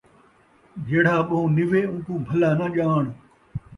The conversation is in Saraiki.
جیڑھا ٻہوں نِوے اون٘کوں بھلا ناں ڄاݨ